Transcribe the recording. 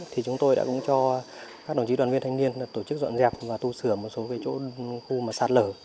thì chúng tôi đã cũng cho các đồng chí đoàn viên thanh niên tổ chức dọn dẹp và tu sửa một số khu sạt lở